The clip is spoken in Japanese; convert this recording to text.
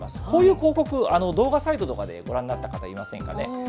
こういう広告、動画サイトとかでご覧になった方、いませんかね。